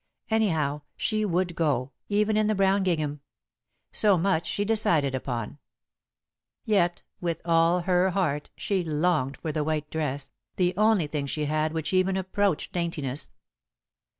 Anyhow, she would go, even in the brown gingham. So much she decided upon. Yet, with all her heart, she longed for the white dress, the only thing she had which even approached daintiness.